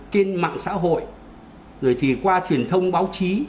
trên mạng xã hội rồi thì qua truyền thông báo chí